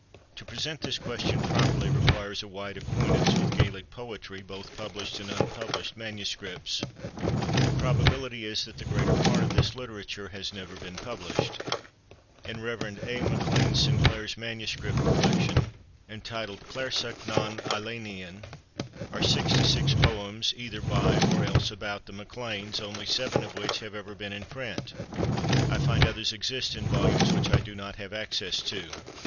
To present this question properly requires a wide acquaintance with Gaelic poetry, both published and unpublished manuscripts. The probability is that the greater part of this literature has never been published. In Rev. A. MacLean Sinclair's manuscript collection, entitled Clarsach nan Eileinean, are sixty six poems either by or else about the MacLeans, only seven of which have ever been in print. I find others exist in volumes which I do not have access to.